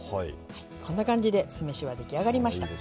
こんな感じで酢飯は出来上がりました。